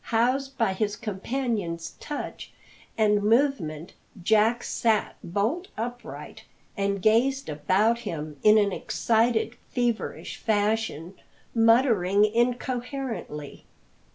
Housed by his companion's touch and movement, Jack sat bolt upright, and gazed about him in an excited, feverish fashion, muttering incoherently.